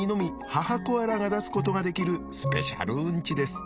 母コアラが出すことができるスペシャルうんちです。